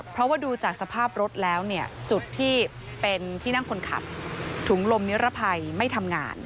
เพราะว่าดูจากสภาพรถแล้วเนี่ยจุดที่เป็นที่นั่งคนขับถุงลมนิรภัยไม่ทำงาน